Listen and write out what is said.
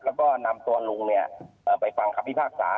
แล้วก็นำตัวลุงเนี้ยเอ่อไปฟังคับพิพากษา